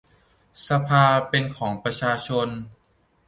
สภาเป็นของประชาชน